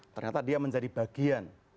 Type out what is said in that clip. ternyata dia menjadi bagian